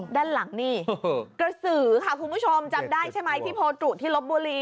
ด้านหลังนี่กระสือค่ะคุณผู้ชมจำได้ใช่ไหมที่โพตุที่ลบบุรี